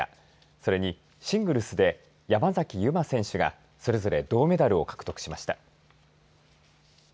それにシングルスで山崎悠麻選手がそれぞれ銅メダルを獲得しました。